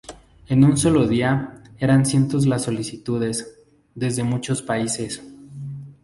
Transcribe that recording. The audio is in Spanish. En un solo día, eran cientos las solicitudes, desde muchos países.